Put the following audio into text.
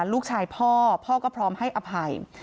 ลูกชายพ่อพ่อก็พร้อมให้อภัย